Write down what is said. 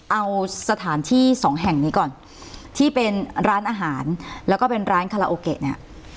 เอาสถานที่สองแห่งนี้ก่อนที่เป็นร้านอาหารแล้วก็เป็นร้านคาราโอเกะเนี่ย